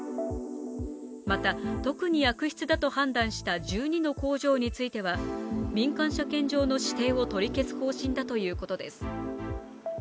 また、特に悪質だと判断した１２の工場については民間車検場の指定を取り消す方針だということです。